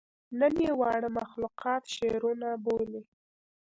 نن ئې واړه مخلوقات شعرونه بولي